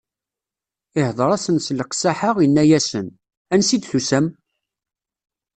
Ihdeṛ-asen s leqsaḥa, inna-asen: Ansi i d-tusam?